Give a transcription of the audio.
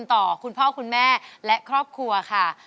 ต่อคุณพ่อคุณแม่และครอบครัวค่ะ